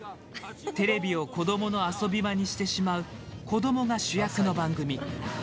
テレビを子どもの遊び場にしてしまう子どもが主役の番組。